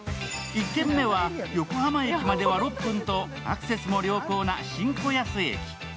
１軒目は横浜駅までは６分とアクセスも良好な新子安駅。